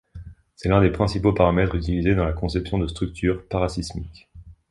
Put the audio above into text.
C'est l'un des principaux paramètres utilisés dans la conception de structures parasismiques.